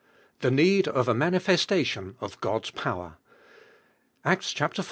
HE NEED OF A MANIFESTATION OF GOD'S POWER Acta Iv.